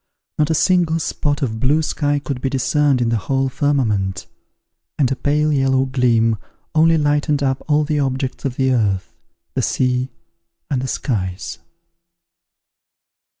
Not a single spot of blue sky could be discerned in the whole firmament; and a pale yellow gleam only lightened up all the objects of the earth, the sea, and the skies.